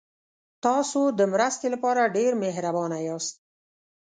تاسو د مرستې لپاره ډېر مهربانه یاست.